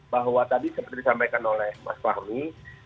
bahwa tadi seperti disampaikan oleh mas fahmi